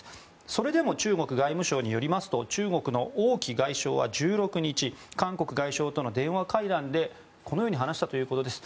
それでも中国外務省によりますと中国の王毅外相は１６日韓国外相との電話会談でこのように話したということです。